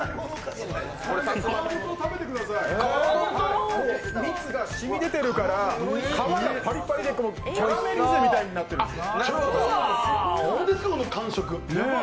食べてみてください、蜜がしみ出てるから、皮がパリパリでキャラメリゼみたいになってるんです。